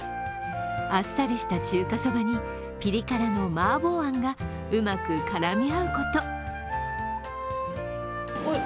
あっさりした中華そばにピリ辛の麻婆あんがうまく絡み合うこと。